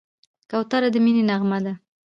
کوتره د مینې نغمه ده.